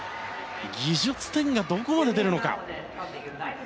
技術点がどこまで出るのか。